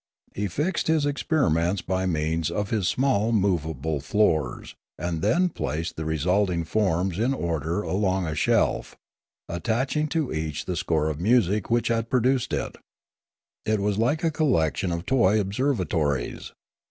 He fixed his experi ments by means of his small movable floors, and then placed the resulting forms in order along a shelf, attach ing to each the score of music which had produced it. It was like a collection of toy observatories.